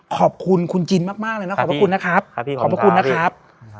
ขอบคุณคุณจินมากมากเลยนะขอบคุณนะครับครับพี่ขอบคุณนะครับ